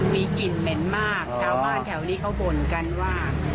มีกลิ่นเหม็นมากชาวบ้านแถวนี้เขาบ่นกันว่า